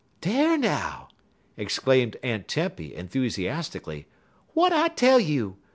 "Dar now!" exclaimed Aunt Tempy, enthusiastically. "W'at I tell you?